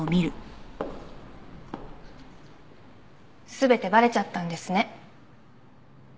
全てバレちゃったんですね。